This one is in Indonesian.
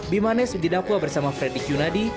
bimanesh didakwa bersama fredy cunadi